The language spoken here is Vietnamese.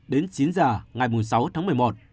đến chín h ngày sáu tháng một mươi một